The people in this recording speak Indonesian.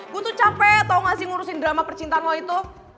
gue tuh capek tau gak sih ngurusin drama percintaan lo itu